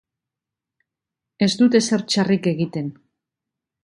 Ez dut ezer txarrik egiten.